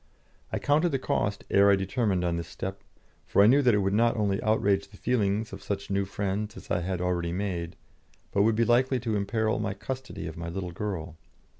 I counted the cost ere I determined on this step, for I knew that it would not only outrage the feelings of such new friends as I had already made, but would be likely to imperil my custody of my little girl.